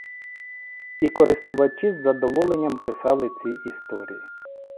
І користувачі з задоволенням писали ці історії.